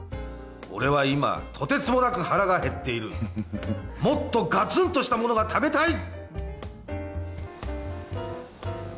俺は今とてつもなく腹が減っているもっとガツンとしたものが食べたい！